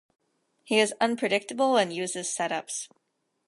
He is unpredictable and uses set ups.